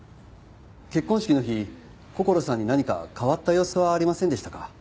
結婚式の日こころさんに何か変わった様子はありませんでしたか？